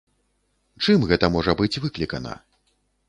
Чым гэта можа быць выклікана?